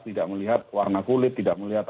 tidak melihat warna kulit tidak melihat